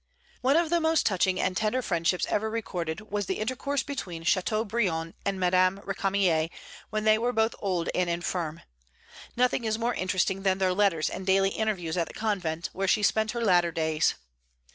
One of the most touching and tender friendships ever recorded was the intercourse between Châteaubriand and Madame Récamier when they were both old and infirm. Nothing is more interesting than their letters and daily interviews at the convent, where she spent her latter days.